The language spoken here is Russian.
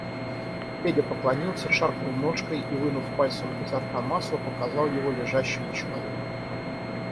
Федя поклонился, шаркнул ножкой и, вынув пальцем изо рта масло, показал его лежащему человеку.